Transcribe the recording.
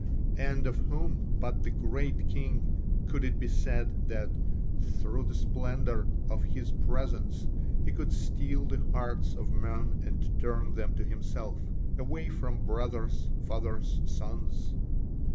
And of whom but the Great King could it be said that through the splendour of his presents he could steal the hearts of men and turn them to himself, away from brothers, fathers, sons?